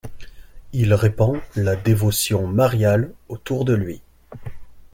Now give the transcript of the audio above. Il répand la dévotion mariale autour de lui.